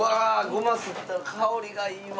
ゴマすったら香りがいいわ。